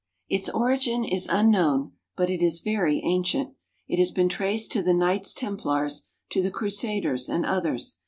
= Its origin is unknown, but it is very ancient. It has been traced to the Knights Templars, to the Crusaders, and others.